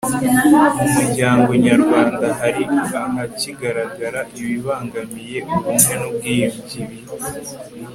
Mu muryango nyarwanda hari ahakigaragara ibibangamiye ubumwe n ubwiyunge ibi